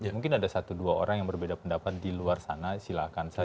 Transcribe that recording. mungkin ada satu dua orang yang berbeda pendapat di luar sana silahkan saja